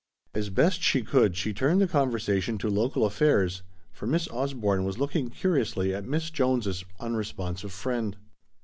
As best she could she turned the conversation to local affairs, for Miss Osborne was looking curiously at Miss Jones' unresponsive friend.